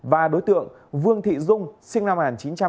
và đối tượng vương thị dung sinh năm một nghìn chín trăm chín mươi hai